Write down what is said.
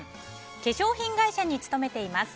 化粧品会社に勤めています。